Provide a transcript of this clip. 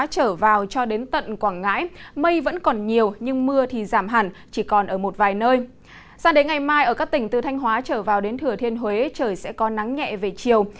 sang đến ngày mai ở các tỉnh từ thanh hóa trở vào đến thừa thiên huế trời sẽ có nắng nhẹ về chiều